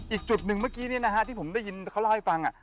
อีกจุดหนึ่งเมื่อกี้ที่ผมได้ยินเขาเล่าให้ฟัง